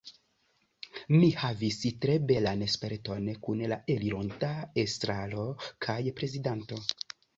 Mi havis tre belan sperton kun la elironta Estraro kaj Prezidanto.